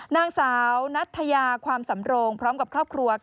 นางสาวนัทยาความสำโรงพร้อมกับครอบครัว